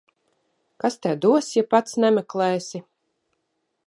Kas tev dos, ja pats nemeklēsi.